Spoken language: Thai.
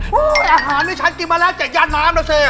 ฮู้ออาหารนี้ฉันกินมาแล้ว๙อาหารแล้วซิ